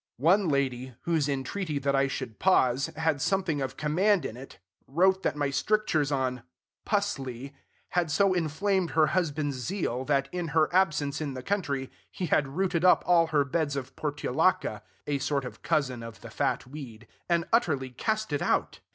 One lady, whose entreaty that I should pause had something of command in it, wrote that my strictures on "pusley" had so inflamed her husband's zeal, that, in her absence in the country, he had rooted up all her beds of portulaca (a sort of cousin of the fat weed), and utterly cast it out.